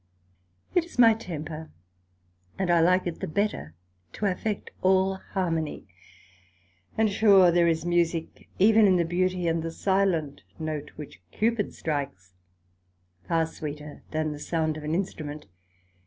It is my temper, and I like it the better, to affect all harmony; and sure there is musick even in the beauty, and the silent note which Cupid strikes, far sweeter than the sound of an instrument.